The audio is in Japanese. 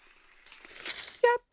やった！